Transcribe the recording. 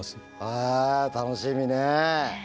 あ楽しみね。